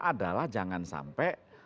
adalah jangan sampai